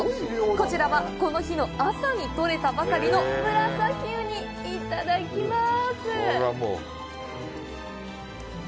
こちらは、この日の朝に取れたばかりのムラサキウニいただきます！